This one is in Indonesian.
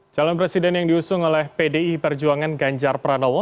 calon presiden yang diusung oleh pdi perjuangan ganjar pranowo